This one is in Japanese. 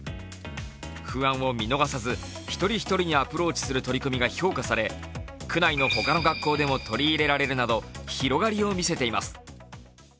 不安を見逃さず、１人１人にアプローチする取り組みが評価され、区内の他の学校でも取り入れられるなど、広がりを見せています。